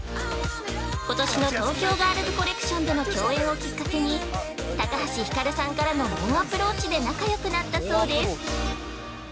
ことしの東京ガールズコレクションでの共演をきっかけに高橋ひかるさんからの猛アプローチで仲良くなったそうです。